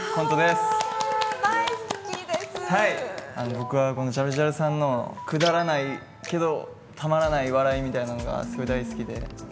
僕はこのジャルジャルさんのくだらないけどたまらない笑いみたいなのがすごい大好きで。